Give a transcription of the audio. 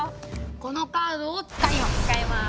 このカードをつかいます！